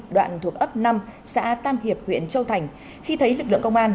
đoạn thuộc ấp năm xã tam hiệp huyện châu thành khi thấy lực lượng công an